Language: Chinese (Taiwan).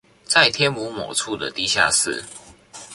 在天母某處的地下室